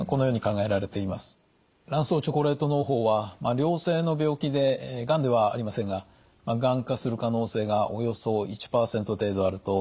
卵巣チョコレートのう胞は良性の病気でがんではありませんががん化する可能性がおよそ１％程度あるとされています。